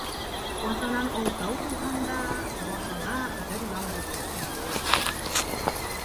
Атанан алтау тыуһаң да, башыңа бер яңғыҙлыҡ төшөр